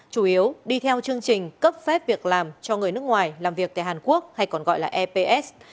chủ yếu đi theo chương trình cấp phép việc làm cho người nước ngoài làm việc tại hàn quốc hay còn gọi là eps